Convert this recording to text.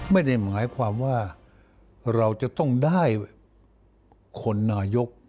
ไม่ได้หมายความว่าเราจะต้องได้คนนายก